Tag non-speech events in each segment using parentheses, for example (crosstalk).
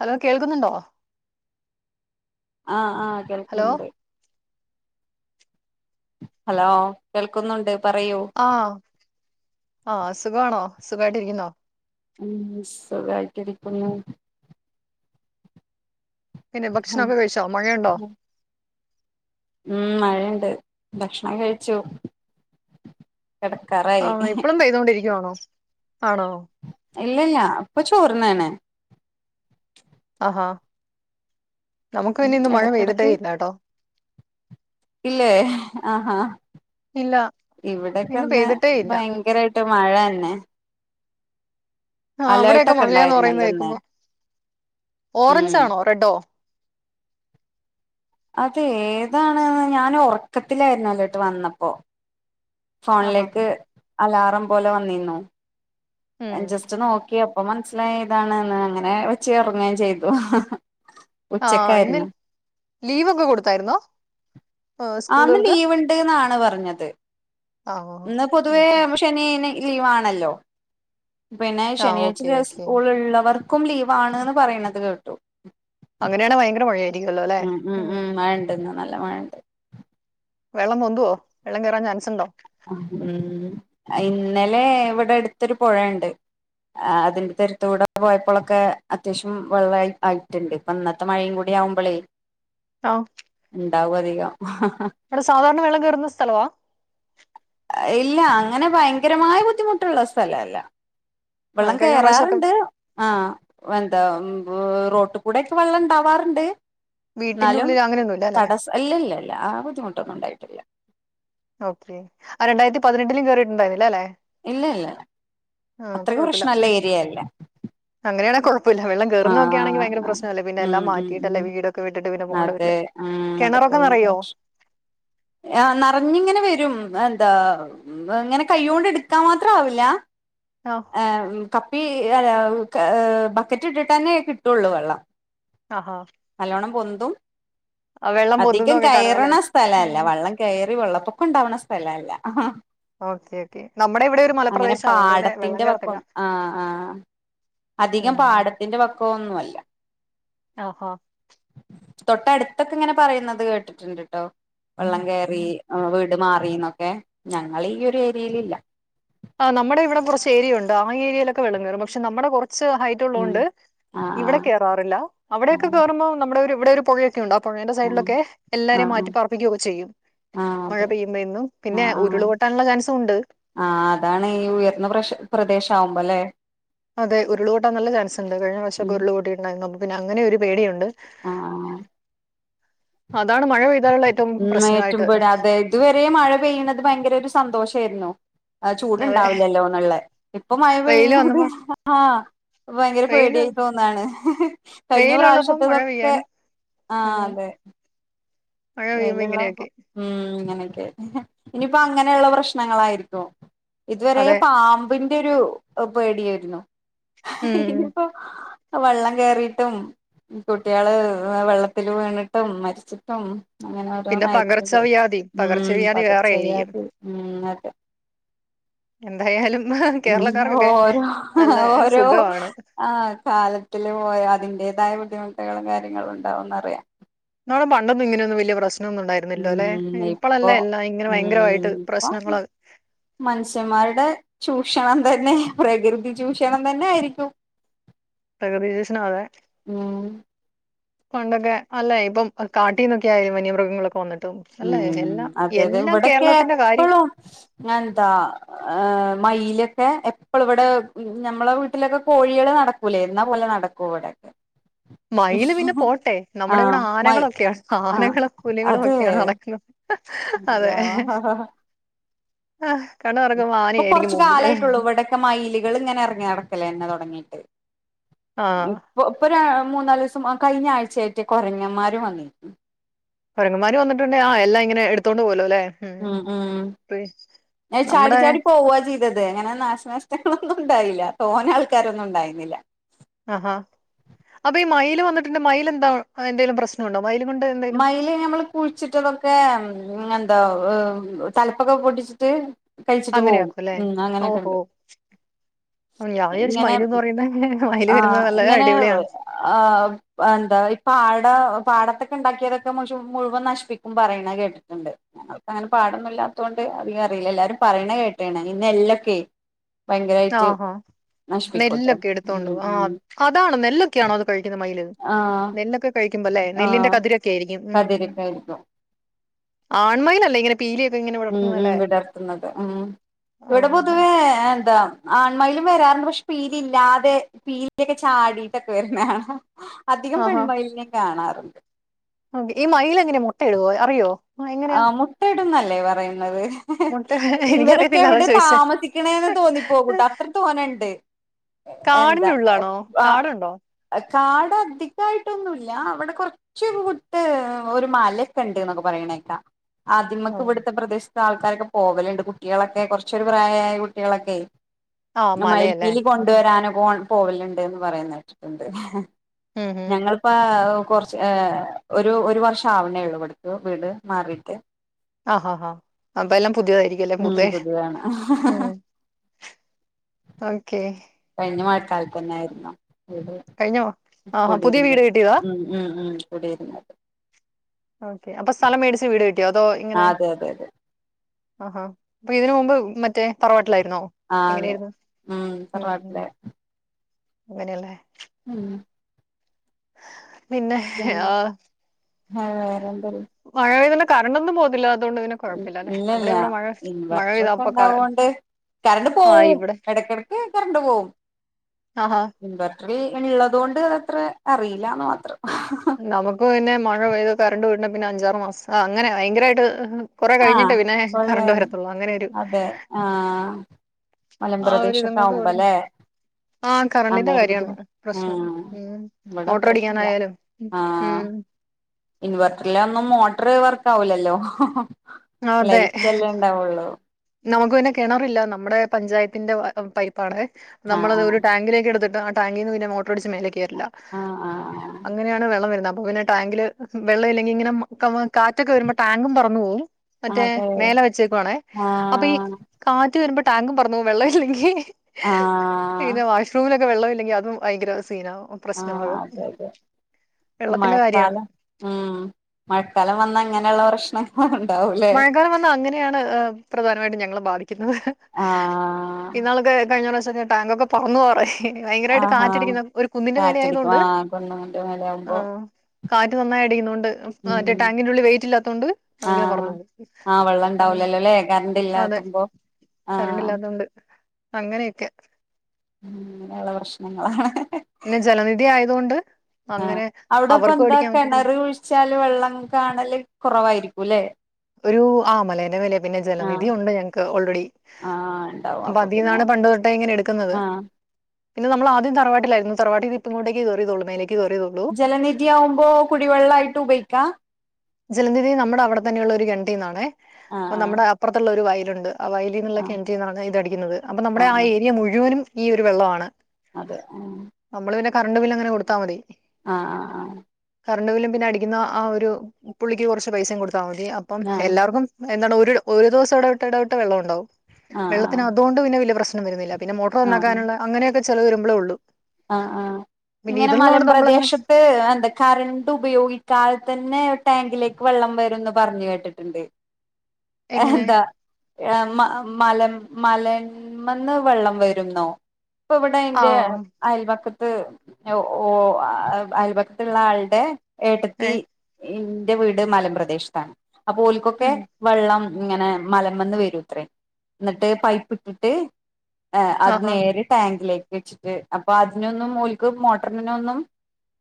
Hello കേൾക്കുന്നുണ്ടോ? ആഹ് ആ ഹലോ കേൾക്കുന്നുണ്ട് ഹലോ കേൾക്കുന്നുണ്ട് പറയൂ ആ ആഹ് സുഖാണോ സുഖായിട്ടിരിക്കുന്നോ മ്മ് സുഖായിട്ടിരിക്കുന്നു പിന്നെ ഉം ഭക്ഷണോക്കെ കഴിച്ചോ മഴയുണ്ടോ മ്മ് മഴേണ്ട് ഭക്ഷണം കഴിച്ചു കെടക്കാറായ ആ ഇപ്പളും പെയ്തോണ്ടിരിക്കുവാണോ ആണോ ഇല്ലില്ല ഇപ്പൊ ചോറിന്നേണ് ആഹാ നമുക്ക്ന്നെ ഇന്ന് മഴ ഇടക്കിടക്ക് പെയ്തിട്ടേ ല്ലട്ടോ ഇല്ലേ ആഹ് ആ ഇല്ല ഇന്ന് ഇവിടെക്കെന്ന് പെയ്തിട്ടേ ഇല്ല ഭ യങ്കരായിട്ട് മഴന്നെ ആഹ അവിടെക്കെ അലേർട്ടൊക്കെ മഴയാന്ന് പറയുന്ന ഉണ്ടായിരുന്നല്ലോ ഇന്ന് കേക്കുമ്പോ ഉം ഓറഞ്ച് ആണോ റെഡോ അത് ഏതാണ്ന്ന് ഞാൻ ഉറക്കത്തിലായിര്നാലർട്ട് വന്നപ്പോ ആഹാ ഫോണിലേക്ക് അലാറം പോലെ വന്നിന്നു ഉം ജസ്റ്റ് നോക്കിയ പ്പൊ മനസ്സിലായി ഇതാണ്ന്ന് അങ്ങനെ വെച്ച് ഒറങ്ങയും ചെയ്തു ആ ഇന്ന് ഉച്ചക്കായിരുന്നു ലീവൊക്കെ കൊടുത്തായിരുന്നോ സ്കൂളുകൾക്ക് ണ്ട് ന്നാണ് പറഞ്ഞത് ആഹ് ഇന്ന് പൊതുവേ ഓക്കെ ശനിന് ലീവണല്ലോ പിന്നെ ആഹ് ഓക്കെ ശനിയാഴ്ച ഓക്കെ സ്കൂള്ള്ളവർക്കും ലീവാണ്ന്ന് പറയ്ണത് കേട്ടു അങ്ങനെയാണെ ഭയങ്കര മഴയായിരിക്കും ആഹ് ഉം ഉം മഴ ഉണ്ട്ന്ന് നല്ല മഴണ്ട് വെള്ളം പൊന്തുവോ വെള്ളം കേറാൻ ചാൻസ്സുണ്ടോ മ് അഹ് ഇന്നലെ ഇവിടെ എടുത്തൊരു പൊഴയുണ്ട്. ആ അതിന്റെ എര്ത്ത് കൂടെ പോയപ്പോളൊക്കെ അത്യാവശ്യം വെള്ള ആയിട്ട്ണ്ട്. ഇപ്പൊ ഇന്നത്തെ മഴയും കൂടി ആവുമ്പളേ ഔ ഇണ്ടാവു അധികം ഹഹ അവിടെ സാധാരണ വെള്ളം കേറുന്ന സ്ഥലവാ ഇല്ല അങ്ങനെ ഭയങ്കരമായി ബുദ്ധിമുട്ടുള്ള സ്ഥല അല്ല. ആ വെള്ളം കഴിഞ്ഞ പ്രാവശ്യമൊക്കെ കേറാറുണ്ട്. ആ വെന്താ വേ റോട്ടുകൂടൊക്കെ വെള്ളം ഇണ്ടാവാറ്ണ്ട്. വീട്ടിന്റെ ഇന്നാലും ഉള്ളിൽ അങ്ങനെയൊന്നുമില്ല അല്ലേ തടസ്സം ഇല്ല ഇല്ലല്ല ആ ബുദ്ധിമുട്ടൊന്നുണ്ടായിട്ടില്ല. ഓക്കെ. ആ രണ്ടായിരത്തി പതിനെട്ടിലും കേറിട്ടുണ്ടായിരുന്നില്ല ല്ലേ ഇല്ലല്ല അത്രയ്ക്ക് കുഴപ്പമില്ല പ്രശ്നൊള്ള ഏരിയല്ല. അങ്ങനെയാണെ കൊഴപ്പല്ല വെള്ളം കേറുന്നൊക്കെ ആണെങ്കി ആഹ് വയങ്കര പ്രേശ്നല്ലേ പിന്നെല്ലാം മാറ്റയിട്ടല്ലേ വീടോക്കെ വിട്ടിട്ട് പിന്ന പോണ്ടത്. തെ ആഹ് അതെ പോയേണ്ട്. ആഹ് നറഞ്ഞിങ്ങനെ വെരും. എന്താ (unintelligible) ഇങ്ങനെ കൈയ്യോണ്ട് എടുക്കാൻ മാത്ര ആവില്ല. ആഹ്. ഏഹ് കപ്പി അല്ല ഏഹ് ബക്കറ്റ് ഇട്ടിട്ടന്നെ കിട്ടുള്ളൂ വെള്ളം. അഹാ നല്ലോണം പൊന്തും. വെള്ളം അധികം പൊന്തുന്നൊക്കെ കാണും അല്ലേ കയറണ ആ സ്ഥലല്ല. വള്ളം കെയറി വെള്ളപ്പൊക്കം ഉണ്ടാവണ സ്ഥലല്ല. ഹ ഹ ഓക്കെ ഓക്കെ നമ്മുടെ ഇവിടെ ഒരു അങ്ങനെ മലപ്രദേശം അതുകൊണ്ട് പിന്നെ വെള്ളം പാടത്തിന്റെ വക്കൊ കയറത്തില്ല ആഹ് ആഹ് അധികം ഉം പാടത്തിന്റെ വക്കൊന്നു അല്ല. ആഹ് ഹാ തൊട്ടടുത്തൊക്കെ ഇങ്ങനെ പറയുന്നത് കേട്ടിട്ടുണ്ട്ട്ടോ. വെള്ളം കേറി ആഹ് വീട് മാറീന്നൊക്കെ. ഞങ്ങളെ ഈ ഒരു ഏരിയേലില്ല. ആഹ് നമ്മടെ ഇവിടെ കൊറച്ച് ഏരിയ ഉണ്ട്. ആഹ് ഏരിയയിലൊക്കെ വെള്ളം കേറും. പക്ഷെ നമ്മടെ കൊറച്ച് ഹൈ ഉം ട്ടുള്ളോണ്ട് ഇവിടെ ആഹ് കേറാറില്ല. അവിടെക്കെ ആഹ് കേറുമ്പോ നമ്മുടെ ഇവിടെ ഒരു പുഴ ക്കേണ്ട്. ആഹ് പൊഴേന്റെ സൈഡിലൊക്കെ എല്ലാരേം ആഹ് മാറ്റിപ്പാർപ്പിക്കൊക്കെ ചെയ്യും. ആഹ് ആഹ് ആഹ് മഴ അതെ പെയ്യുമ്പേ എന്നും പിന്നെ ആഹ് ആഹ് ഉരുള് പൊട്ടാനുള്ള ചാൻസുണ്ട്. ആഹ് അതാണ് ഈ ഉയർന്ന പ്രഷ പ്രദേശം ആവുമ്പോ അല്ലേ. അതെ ഉരുൾ പൊട്ടാൻ നല്ല ചാൻസ് ഇണ്ട്. കഴിഞ്ഞ പ്രാവശ്യക്കെ ഉം ഉരുൾ പൊട്ടിയിട്ടുണ്ടായിരുന്നു. അപ്പൊ പിന്നെ അങ്ങനെ ഒരു പേടിയുണ്ട്. ആഹ് അതാണ് മഴ പെയ്താലുള്ള ഏ ഉം ഏറ്റവും പേടി അതായിട്ട് വെരെ മഴ പെയ്യ്ണത് ഭയങ്കര ഒര് സന്തോഷേയിരുന്നു. ആ അതെ ചൂടുണ്ടാവില്ലല്ലോന്നുള്ളെ. ഇപ്പൊ മഴ വെയില് വന്നപ്പോ പെയ്യുന്നത് ആഹ് ഇപ്പൊ ഭയങ്കര വെയില് പേടിയായി തോന്ന് ആണ്. ഇഹ് ഇഹ് കഴിഞ്ഞ വെയിലുള്ളപ്പോ മഴ പ്രാവശ്യത്തതൊക്കെ പെയ്യാനും ആഹ് ഉം അതെ. മഴ പെയ്യുമ്പോ വെയിലുള്ള ഇങ്ങനെയൊക്കെ അപ്പം ഉം അങ്ങനെയൊക്കെ. ഇഹ് ഇനിയിപ്പോ അങ്ങനെയുള്ള പ്രശ്നങ്ങളായിരിക്കും. ഇത് വരെ അതെ പാമ്പിന്റെ ഒരു പേടിയായിരുന്നു. ഇഹ് ഉം ഇഹ് ഇനിയിപ്പോ വെള്ളം കേറീട്ടും കുട്ടിയള് വെള്ളത്തില് വീണിട്ടും മരിച്ചിട്ടും അങ്ങനെ പിന്നെ ഓരോന്നായിര്ക്ക് ഇത് പകർച്ചവ്യാധി ഉം പകർച്ചവ്യാധി വേറെ ആയിരിക്കും പകർച്ചവ്യാധി ഉം അത് എന്തായാലും ഇഹ് ഇഹ് ഉം ഓരോ ഇഹ് ഇഹ് ഓരോ സുഖമാണ് ആഹ് കാലത്തില് പോയാ അതിന്റേതായ ബുദ്ധിമുട്ടുകളും കാര്യങ്ങളും ഉണ്ടാവൂന്ന് അറിയാം. ഇന്നാലും പണ്ടൊന്നും ഇങ്ങനൊന്നും വല്യ പ്രശ്‌നൊന്നും ഉണ്ടായി രുന്നില്ലല്ലോ. ഉം ഇപ്പൊ ഇപ്പളല്ലേ എല്ലാം ഇങ്ങനെ ഉം വയങ്കരമായിട്ട് ഇപ്പൊ പ്രശ്നങ്ങളൊ മനുഷ്യന്മാരുടെ ചൂഷണം തന്നെ പ്രകൃതി ചൂഷണം തന്നെ ആയിരിക്കും. പ്രകൃതി ചൂഷണം അതെ. ഉം പണ്ടൊക്കെ അല്ല ഇപ്പം കാട്ടീന്നൊക്കെ ആയാലും വന്യമൃഗങ്ങളൊക്കെ വന്നിട്ടും അല്ലെ ഉം എല്ലാം അതെ അതെ. എല്ലാം ഇവടക്കെ കേരളത്തിന്റെ കാര്യം എപ്പളും എന്താ? ഏഹ് മയിലൊക്കെ എപ്പളും ഇവിടെ ഞമ്മളെ വീട്ടിലൊക്കെ കോഴികള് നട ക്കൂലെ എന്ന പോലെ നടക്കും ഇവിടൊക്കെ. മയില് പിന്നെ പോട്ടെ. നമ്മടെ ഇവിടെ ആഹ് മയി ആനകളൊക്കെയാ ആഹ് ആനകളും പുലികളും ഒക്കെയാണ് നടക്കുന്നേ യാ ആഹ് കണ്ണു തൊറക്കുമ്പോം ആനയായിരിക്കും മുമ്പില്. ക്കെ മയിലുകള് ഇങ്ങനെ ഇറങ്ങി നടക്കലന്നെ തൊടങ്ങിട്ട്. ആഹ് ഇപ്പൊ ഇപ്പൊ രാ മൂന്നാല് ദിവസം ആഹ് കഴിഞ്ഞ ആഴ്ചയായിട്ട് കുറങ്ങന്മാര് വന്നേക്കണ്. കുരങ്ങന്മാര് വന്നിട്ടുണ്ടെ ആഹ് എല്ലാം ഇങ്ങനെ എടുത്തോണ്ട് പോവുല്ലോ അല്ലെ.? ഉം ഉം പി- നമ്മുടെ ചാടിച്ചാടി പോവാ ചി അത് അങ്ങനെ നാശനഷ്ടങ്ങളൊന്നും ഉണ്ടായില്ല. തോന ആൾക്കാരൊന്നും ഉണ്ടായിരുനില്ല. ആഹാ അപ്പൊ ഈ മയില് വന്നിട്ടുണ്ടെ മയിൽ എന്താ എന്തെങ്കിലും പ്രശ്നം ഉണ്ടോ? മയിൽ കൊണ്ട് എന്തെലും പ്പ ഞമ്മള് കുഴിച്ചിട്ടതൊക്കെ എന്താ തലപ്പൊക്കെ പൊടിച്ചിട്ട് കഴിച്ചിട്ട് പോവും അങ്ങനെയാക്കും അല്ലേ ഉം അങ്ങനൊക്കെ ഓഹോ ഉണ്ട്. ഉം, ഞാൻ വിചാരിച്ചു ഇങ്ങനെ മയില്ന്ന് പറയുന്നെ മയില് ആഹ് വരുന്നത് നല്ല ഇങ്ങനെ അടിപൊളിയാണ് ആഹ് പ്പ എന്താ ഇ പാട പാടത്ത ക്കെ ഉണ്ടാക്കിയതൊക്കെ മു മുഴുവൻ നശിപ്പിക്കും പറയണ കേട്ടിട്ടുണ്ട്. അ അങ്ങനെ പാടൊന്നും ഇല്ലാത്തോണ്ട് അധികം അറിയില്ല എല്ലാരും പറയണ കേട്ടക്കണ് ഈ നെല്ലോക്കെ ഭയങ്കരായിട്ട് ആഹാ നശിപ്പിക്കൂത്ര ഉം.. അതണോ നെല്ലൊക്കാണോ അത് കഴിക്കുന്ന മൈയില്? ആഹ് ക്കുമ്പോല്ലേ നെല്ലിന്റെ കതിരൊക്കെ ആയിരിക്കും ഉം കതിരൊക്കായിരിക്കും ആൺ മയിലല്ലേ ഇങ്ങനെ പീലിയൊക്കെങ്ങനേ ഉം ഉം വിടർത്തുന്നത് ഉം ഇവിടെ ആഹാ പൊതുവേ എന്താ? ആൺമയിലും വരാറുണ്ട് പക്ഷെ പീല ഇല്ലാതെ പീലൊക്കെ ചാടിട്ടൊക്കെ വരുണേ അധികം ആഹാ പെൺമയലിനെ കാണാറുണ്ട്. ഈ മയിലേങ്ങനെ മുട്ടയ ഇടുവോ അറിയോ? ആ എങ്ങനെയാ ആഹ് മുട്ട ഇടുന്നല്ലേ പറയുന്നത്. മുട്ട ഇവരൊക്കെ എനിക്കറിയത്തില്ല അതാ എവിടെ ചോദിച്ചേ താമസിക്കണെന്ന് തോന്നിപ്പോകൂട്ട അത്രക്ക് തോനേണ്ട്. എന്താ കാടിന്റെ ഉള്ളിലാണോ എപ്പ കാടുണ്ടോ കാട് അധികായിട്ടൊന്നുല്ല അവിടെ കൊറ ച്ച് കുട്ട് ഒരു മലയൊക്കെ ഉണ്ട് എന്നൊക്കെ പറയണേക്കാ ആദമക്കെ ആഹ് ഇവിടുത്തെ പ്രദേശത്ത്. ആൾക്കാരൊക്കെ പോവലുണ്ട് കുട്ടികളൊക്കെ കുറച്ചൊരു പ്രായമായ കുട്ടികളൊക്കെ. ആ മയിൽ മലയല്ലേ ഉം പീലികൊണ്ടുവരാന പോൺ പോവലണ്ട്ന്ന് പറയ കേട്ടിട്ടുണ്ട് ഉം ഉം. ഞങ്ങളിപ്പ കൊറ ച്ച് ഒരു ഒരു വർഷം ആവണേ ഉള്ളു കൊടുക്ക വീട് മാറിയിട്ട് ആഹാ ഹാഎന്തെല്ലാം പുതിയതായിരി ക്കുല്ലെ ഉം പുതിയേ പുതിയതാണ് ഉം ഓക്കെ. കഴിഞ്ഞ മഴക്കാലത്ത് തന്നൊയിയിരുന്നു. കഴിഞ്ഞോ ആഹാ പുതിയ വീട് കിട്ടിയതാ. ഉം ഉം കൂടിയിരന്നത്. ഓക്കെ. അപ്പൊ സ്ഥലം മേടിച്ച് വീട് വെക്കു അതോ ആ ഇങ്ങനെ അതെ അതെ അതെ ആഹാ അപ്പൊ ഇതിന് മുമ്പ് മറ്റേ തറവാട്ടിലായിരുന്നോ ആ അതെ എങ്ങനെയായിരുന്നുഉം ഉം ഉം തറവാട്ടിലെ അങ്ങനെയല്ലേ? ഉം പിന്നെ പിന്നെ ആഹ് വേറെന്ത മഴ ആയോണ്ട് കരണ്ടന്നും പോകത്തില്ല അതുകൊണ്ട് പിന്നേ ഇല്ലല്ല ഇൻവെർട്ടർ പെയ്താ ഒക്കെ അപ്പൊ ക ഉണ്ടായോണ്ട് കറണ്ട് ആ പോവും ഇവിടെ എടക്കെടക്ക് കറണ്ട് പോവും. ആഹാ ഇൻവെർട്ടർ ഇള്ളതൊണ്ട് അതത്ര അറിയില്ലന്ന് മാത്രം നമുക്ക് പിന്നെ മഴ പെയ്ത് കറണ്ട് പോയിട്ട്പിന്നെ അഞ്ചാറ് മാസം അങ്ങനെ ഭയങ്കരായിട്ട് കൊറെ ആഹ് കഴിഞ്ഞിട്ട് പിന്നെ കൊഴ കറണ്ട് വരത്തുള്ളൂ അങ്ങനെയൊരു അതെ ആഹ് മലമ്പ്രദേശൊക്കെ ആവുമ്പല്ലേ ആഹ് കറണ്ടിന്റെ കാര്യാണ് പ്രശ്നം ഉം ഉം ഇവിടെ മോട്ടോർ അത്രക്കില്ല അടിക്കാനായാലും ഉം ഇൻവെർട്ടറിലർഞ്ഞ മോട്ടർ വർക്ക് ആവൂലല്ലോ അതെ ലൈറ്റ് അല്ലെ ഉണ്ടാവുള്ളൂ നമുക്ക് പിന്നെ കിണറില്ല നമ്മുടെ പഞ്ചായത്തിന്റെ പൈ പ്പാണേ നമ്മളത് ആഹ് ഒരു ടാങ്കിലേക്ക് എടുത്തിട്ട് ആ ടാങ്കിൽ നിന്ന്പിന്നെ മോട്ട റടിച്ച് മേലെ കേറില്ല ആഹ് ആഹ് ആഹ് അങ്ങനെയാണ് വെള്ളം വരുന്നത് അപ്പൊ പിന്നെ ടാങ്കില് വെള്ളം ഇല്ലെങ്കി ഇങ്ങനെ കാറ്റൊക്കെ വരുമ്പോ ടാങ്കും പറന്ന് പോവും ആഹ് മറ്റേ അതെ മേലെ വെച്ചേക്കുവാണേ അപ്പൊ ഈ ആഹ് കാറ്റ് വരുമ്പോ ടാങ്കും പറന്ന് പോവും വെള്ളം ഇല്ലെങ്കി ആഹ് പിന്നെ വാഷ്റൂമിലെ വെള്ളം ഇല്ലെങ്കി അതും ഭയങ്കര സീനാകും ആഹ് പ്രശ്നമാകും അതെ അതെ വെള്ളത്തിന്റെ കാര്യമാണ് ആഹ് മഴക്കാലം വന്ന ഇങ്ങനെയുള്ള പ്രശ്നം ആഹ് ഉണ്ടാവു മഴക്കാലം വന്ന അങ്ങനെയാണ് പ്രധാനമായിട്ടും ഞങ്ങളെ ബാധിക്കുന്നത് ആഹ് ഇന്നാളൊക്കെ കഴിഞ്ഞ പ്രാവശ്യം ഒക്കെ ടാങ്കൊക്കെ പറന്നു പറേ ക്കെ ഭയങ്കരായിട്ട് ആഹാ കാറ്റടിക്കുന്ന ഒരു കുന്നിന്റെ മേലെ ആയത് കാറ്റടിക്കും കൊണ്ട് ആഹ് കുന്നുമ്മന്റെ മേലെ ആവുമ്പോ ആഹ് കാറ്റ് നന്നായി അടിക്കുന്നുണ്ട് മറ്റേ ഉം ടാങ്കിന്റെ ഉള്ളിൽ വെയിറ്റ്ല്ലാത്തോണ്ട് അത്ങ്ങനെ ആഹ് പറന്ന് പോവും ആഹ് വെള്ളം ഉണ്ടാവൂലല്ലോല്ലേ കറണ്ട് അതെ ഇല്ലാത്തുമ്പോ ആഹ് അങ്ങനെ ഒക്കെ ഉം അങ്ങനെയുള്ള പ്രശ്നങ്ങളാണ് പിന്നെ ജലനിധി ആയതുകൊണ്ട് ആഹ് അങ്ങനെ അവർക്കും അവിടെപ്പെന്താ അടിക്കാൻ പറ്റത്തില്ല കെണറ് കുഴിച്ചാല് വെള്ളം കാണല് കുറവായിരിക്കുല്ലേ ഒരു ആഹ് മലേന്റെ മേലെ പിന്നെ ജലനിധി ഉണ്ട് ഞങ്ങക്ക് ഓൾറെഡി ആഹ് ഉണ്ടാവും അപ്പൊ പിന്നെ അതിൽന്നാണ് പണ്ട് തൊട്ടെ ഇങ്ങനെ എടുക്കുന്നത് ആഹ് പിന്നെ നമ്മള് ആദ്യം തറവാട്ടിലായിരുന്നു തറവാട്ടിൽന്ന് ഇതേ ഇപ്പം ഇങ്ങോട്ട് കേറിയതെ ഒള്ളൂ മേലേക്ക് കേറിയതെ ഒള്ളു ജലനിധി ആവുമ്പോ കുടിവെള്ളായിട്ടു ഉപയോഗിക്കാ ജലനിധി നമ്മുടെ അവിടെ തന്നെയുള്ള ഒരു കെണറ്റീന്നാണെ അപ്പ ആഹ് നമ്മുടെ അപ്പുറത്തുള്ള ഒരു വയലുണ്ട് ആ വയൽ ന്നുള്ള ആഹ് കെണറ്റീന്നാണ് ഇത് അടിക്കുന്നത് അപ്പൊ ആഹ് നമ്മുടെ ആ ആഹ് ആഹ് ഏരിയ മുഴുവനും ഈ ഒരു വെള്ളവാണ് അതെ ആഹ് നമ്മള് പിന്നെ കറണ്ട് ബില്ല് അങ്ങനെ കൊടുത്താ മതി ആഹ് ആഹ് ആഹ് കറണ്ട് ബില്ലും പിന്നെ അടിക്കുന്ന ആ ഒരു പുള്ളിക്ക് കൊറച്ച് പൈസയും കൊടുത്താ മതി അപ്പം എല്ലാവർക്കും എന്താണ് ഒരു ഒരു ദിവസം എടവിട്ട് എടവിട്ട് വെള്ളം ഉണ്ടാവും ആഹ് വെള്ളത്തിന് അതുകൊണ്ട് പിന്നെ വല്യ പ്രശ്നം വരുന്നില്ല പിന്നെ ആഹ് മോട്ടോർന്നാക്കാനുള്ള അങ്ങനൊക്കെ ചെലവ് വരുമ്പളേ ഉള്ളൂ ആഹ് ആഹ് പിന്നെ ഇങ്ങനെ ഇതുള്ളതുകൊണ്ട് നമ്മളങ്ങനെ മലമ്പ്രദേശ ത്ത് എന്താ കറണ്ട് ഉപയോഗിക്കാതെ തന്നെ ടാങ്കിലേക്ക് വെള്ളം വരുന്ന് പറഞ്ഞു കേട്ടിട്ടുണ്ട് എങ്ങനെ എന്താ ഏഹ് മ മലം മലെമ്മന്ന് വെള്ളം വരുന്നോ ഇപ്പൊ ഇവിടെ ആ ഇന്റെ അയൽപക്കത്ത് ഓ ഓഹ് അയൽപക്കത്തുള്ള ആളുടെ ഏ ഏട്ടത്തി ന്റെ വീട് മലപ്രദേശത്താണ് അപ്പൊ ഓൽക്കൊക്കെ ഉം വെള്ളം ഇങ്ങനെ മലമ്മന്ന് വരൂത്രേ ന്നിട്ട് പൈപ്പ് ഇട്ടിട്ട് ഏഹ് അത് ആഹാ നേരെ ടാങ്കിലേക്ക് വെച്ചിട്ട് അപ്പൊ അതിനൊന്നും ഓൽക്ക് മോട്ടറിനൊന്നും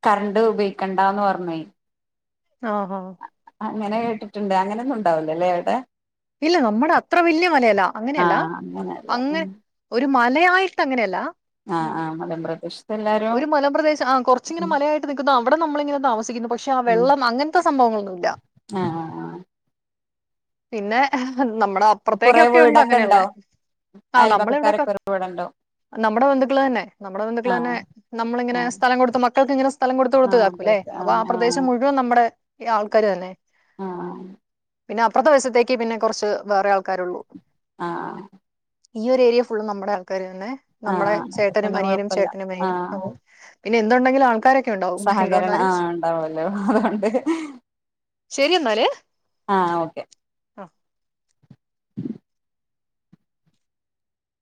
കറണ്ട് ഉപയോഗിക്കണ്ടന്ന് പറഞ്ഞെയ് ആഹാ അങ്ങനെ കേട്ടിട്ടുണ്ട് അങ്ങനെന്നും ഉണ്ടാവില്ലല്ലേ അവിടെ ഇല്ല നമ്മുടെ അത്ര വലിയ മലയല്ല അങ്ങനെയല്ല ആഹ് അങ്ങനെയല്ല അങ്ങ ഒരു മലയായിട്ട് അങ്ങനെയല്ല ആഹ് ഉം ആഹ് മലം പ്രദേശത്ത് എല്ലാരും ഒരു മലപ്രദേശ ആഹ് കൊറച്ച ഇങ്ങനെ ഉം മലയായിട്ട് നിക്കുന്നുന്നു അവിടെ നമ്മളിങ്ങനെ താമസിക്കുന്നു പക്ഷെ ആഹ് വെള്ളം അങ്ങനത്തെ സംഭവങ്ങളൊന്നും ഇല്ല ആഹ് ആഹ് ആഹ് പിന്നെ നമ്മുടെ കുറെ അപ്പുറത്തേക്കൊക്കെ ഉണ്ട് വീടൊക്കെ അങ്ങനെയുള്ള ഉണ്ടോ ആ നമ്മളിവിടെ കൊ- അയൽപക്കക്കാരൊക്കെറ വീടുണ്ടോ നമ്മുടെ ബന്ധുക്കള് തന്നെ നമ്മുടെ ബന്ധുക്കള് തന്നെ നമ്മളിങ്ങനെ ആഹ് സ്ഥലം കൊടുത്ത് മക്കൾക്ക് ഇങ്ങനെ സ്ഥലം കൊടുത്ത് കൊടുത്തതാക്കുലേ അപ്പൊ ആഹ് പ്രദേശം മുഴുവൻ നമ്മുടെ ഈ ആൾക്കാർ തന്നെ ആഹ് പിന്നെ അപ്പുറത്തെ വശത്തേക്ക് പിന്നെ കുറച്ച് വേറെ ആൾക്കാരുള്ളു ആഹ് ഈ ഒരു ഏരിയ ഫുള്ള് നമ്മുടെ ആൾക്കാർ തന്നെ നമ്മുടെ ആഹ് അപ്പൊ ചേട്ടനും പിന്നെ അനിയനും കൊഴപ്പല്ല ചേട്ടനും അനിയനും ആഹ് പിന്നെ എന്ത് ഉണ്ടേക്കിലും ആൾക്കാരൊ സഹകരണം ആഹ് ഉണ്ടാവല്ലോ അതൊണ്ട് ശരി എന്നാല് ആഹ് ഓക്കെ ആഹ്